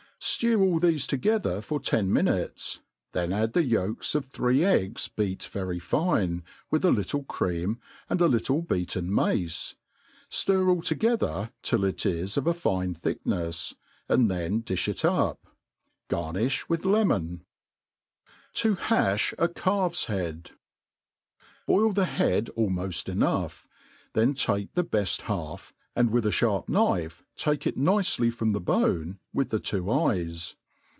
Stew all thefe together for ten minutes, then add the yolks of three eggs . beat very fine, with a little cream, and a little beaten mace ; ftir ^11 together till it is of a fine thicknefs, and then dilh it up* parnifh with lemon. THE ART OF COOKERY TV hajh a Calfs Hnti. BOIL the bead almoft enough, Chen take the beft half, and with a (harp knife take it nicely from the bone, with tbetwd eyes.